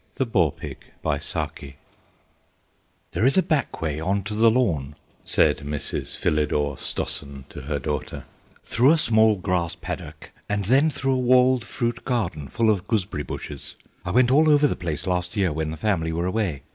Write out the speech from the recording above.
THE BOAR PIG "There is a back way on to the lawn," said Mrs. Philidore Stossen to her daughter, "through a small grass paddock and then through a walled fruit garden full of gooseberry bushes. I went all over the place last year when the family were away.